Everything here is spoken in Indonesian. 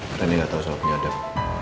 karena dia gak tau soal penyadap